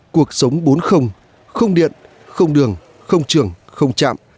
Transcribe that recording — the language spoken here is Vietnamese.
cuộc sống bốn không điện không đường không trường không chạm